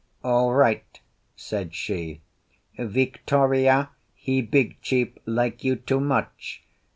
"All right," said she. "Victoreea he big chief, like you too much.